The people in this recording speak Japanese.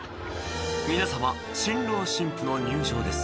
「皆さま新郎新婦の入場です